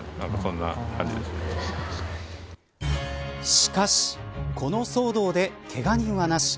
しかしこの騒動でけが人はなし。